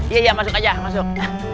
ya ya masuk aja masuk